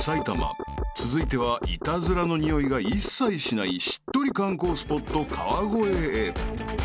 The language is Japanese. ［続いてはイタズラのにおいが一切しないしっとり観光スポット川越へ］